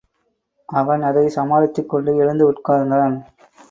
அவன் அதைச் சமாளித்துக் கொண்டு எழுந்து உட்கார்ந்தான்.